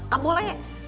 kak boleh ya